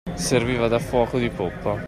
Serviva da fuoco di poppa.